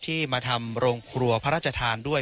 ที่มาทำโรงครัวพระราชทานด้วย